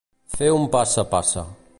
Fer un passa-passa.